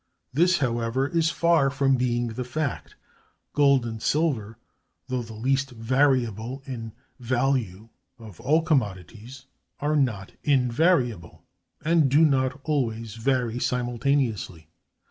This, however, is far from being the fact. Gold and silver, though the least variable in value of all commodities, are not invariable, and do not always vary simultaneously.